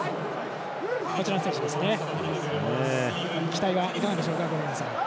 期待はいかがでしょうか？